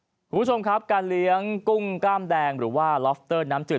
คุณผู้ชมครับการเลี้ยงกุ้งกล้ามแดงหรือว่าล็อฟเตอร์น้ำจืด